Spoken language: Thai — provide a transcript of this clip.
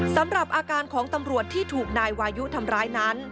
สำหรับอาการของตำรวจที่ถูกนายวายุทำร้ายนั้น